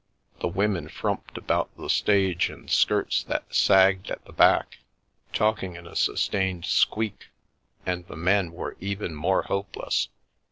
The women frumped about the stage in skirts that sagged at the back, talking in a sustained squeak, and the men were even more hopeless.